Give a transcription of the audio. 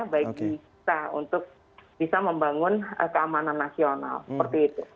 bagi kita untuk bisa membangun keamanan nasional seperti itu